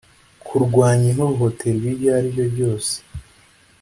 kurwanya ihohoterwa iryo ariryo ryose